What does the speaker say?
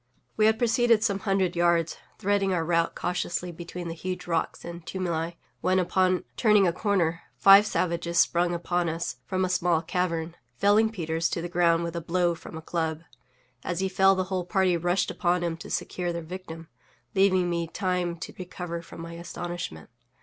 We had proceeded some hundred yards, threading our route cautiously between the huge rocks and tumuli, when, upon turning a corner, five savages sprung upon us from a small cavern, felling Peters to the ground with a blow from a club. As he fell the whole party rushed upon him to secure their victim, leaving me time to recover from my astonishment.